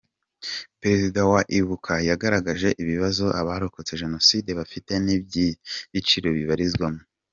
Perezida wa Ibuka yagaragaje ibibazo abarokotse Jenoside bafite n’ibyiciro bibarizwamo.